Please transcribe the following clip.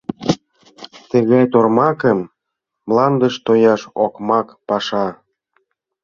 – Тыгай тормакым мландыш тояш – окмак паша».